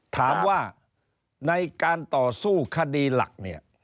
ถามว่าในการต่อสู้คดีหลักเนี่ย